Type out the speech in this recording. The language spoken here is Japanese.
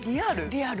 リアル